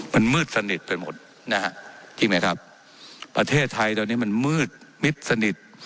มันมืดสนิทไปหมดนะฮะจริงไหมครับประเทศไทยตอนนี้มันมืดมิดสนิท